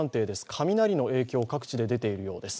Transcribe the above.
雷の影響、各地で出ているようです